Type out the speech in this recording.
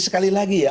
sekali lagi ya